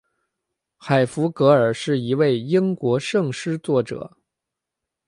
海弗格尔是一位英国圣诗作者。